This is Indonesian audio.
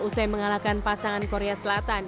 usai mengalahkan pasangan korea selatan